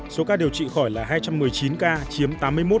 số ca điều trị khỏi là hai trăm một mươi chín ca chiếm tám mươi một